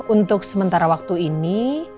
untuk sementara waktu ini